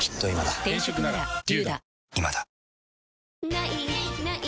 「ない！ない！